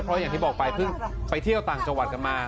เพราะอย่างที่บอกไปเพิ่งไปเที่ยวต่างจังหวัดกันมา